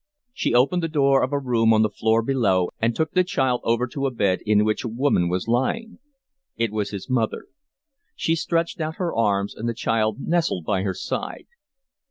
She opened the door of a room on the floor below and took the child over to a bed in which a woman was lying. It was his mother. She stretched out her arms, and the child nestled by her side.